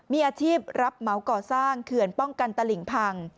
มีอาชีพรับเหมาก่อสร้างเขื่อนป้องกันตลิ่งพัง